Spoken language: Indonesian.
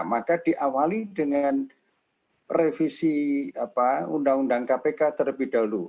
maka diawali dengan revisi undang undang kpk terlebih dahulu